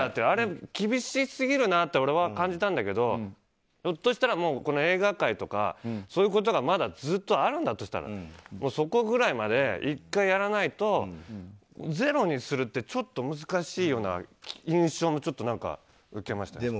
あれ、厳しすぎるなって俺は感じたんだけどひょっとしたら映画界とかそういうことがまだずっとあるんだとしたらそこぐらいまで１回やらないとゼロにするってちょっと難しいような印象を受けました。